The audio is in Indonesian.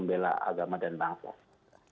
membela agama dan bangsa